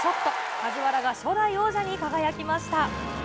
梶原が初代王者に輝きました。